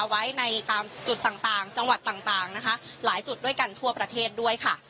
ไว้ในตามจุดต่างจังหวัดต่างนะคะหลายจุดด้วยกันทั่วประเทศด้วยค่ะ